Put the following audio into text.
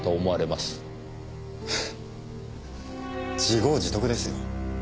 フッ自業自得ですよ。